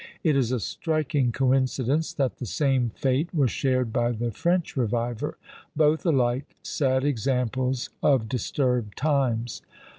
It is a striking coincidence, that the same fate was shared by the French reviver; both alike sad examples of disturbed times!